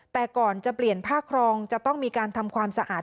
แต่ก่อนจะเปลี่ยนผ้าครองจะต้องมีการทำความสะอาด